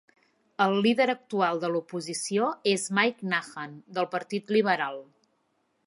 El líder actual de l'oposició és Mike Nahan, del Partit Liberal.